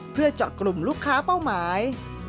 เพื่อเจาะกลุ่มลูกค้าเป้าหมาย